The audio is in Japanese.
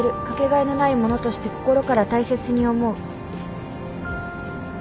「かけがえのないものとして心から大切に思う」